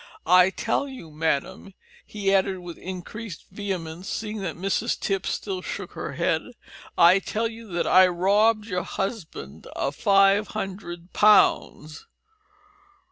I tell you, madam," he added with increased vehemence, seeing that Mrs Tipps still shook her head, "I tell you that I robbed your husband of five hundred pounds!"